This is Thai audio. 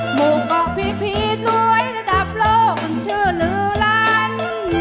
หมูกอกพีสวยระดับโลกมันชื่อหรือรัน